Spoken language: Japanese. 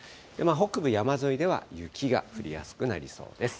北部、山沿いでは雪が降りやすくなりそうです。